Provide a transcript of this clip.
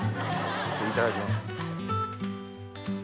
いただきます。